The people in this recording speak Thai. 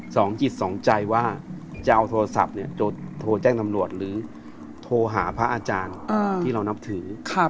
สองจิตสองใจว่าจะเอาโทรศัพท์เนี่ยโทรแจ้งตำรวจหรือโทรหาพระอาจารย์ที่เรานับถือ